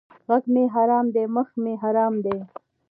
ږغ مې حرام دی مخ مې حرام دی!